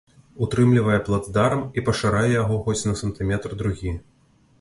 Утрымлівае плацдарм і пашырае яго хоць на сантыметр-другі.